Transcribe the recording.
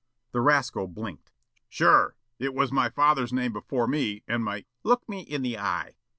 The rascal blinked. "Sure. It was my father's name before me, and my " "Look me in the eye!"